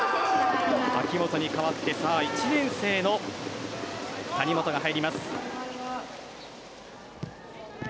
秋本に代わって１年生の谷本が入ります。